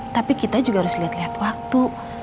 tapi kita juga harus lihat lihat waktu